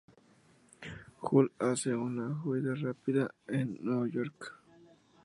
Hulk hace una huida rápida a Nueva York.